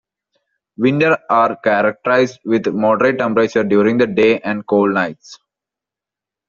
Winters are characterized with moderate temperatures during the day and cold nights.